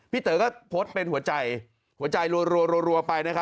เต๋อก็โพสต์เป็นหัวใจหัวใจรัวไปนะครับ